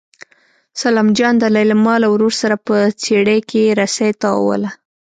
سلام جان د لېلما له ورور سره په څېړۍ کې رسۍ تاووله.